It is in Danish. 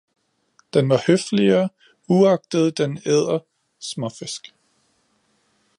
Den var høfligere, uagtet den æder småfisk